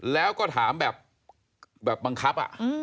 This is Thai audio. แล้วก็ถามแบบบังคับ